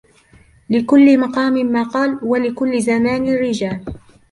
لكل مقام مقال ولكل زمان رجال.